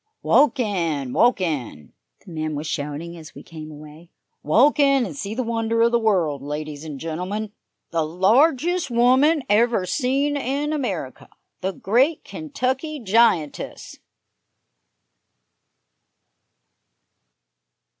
"Walk in! Walk in!" the man was shouting as we came away. "Walk in and see the wonder of the world, ladies and gentlemen the largest woman ever seen in America the great Kentucky giantess!"